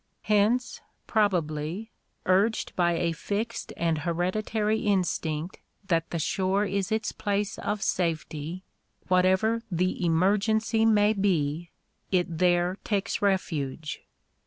Hence, probably, urged by a fixed and hereditary instinct that the shore is its place of safety, whatever the emergency may be, it there takes refuge."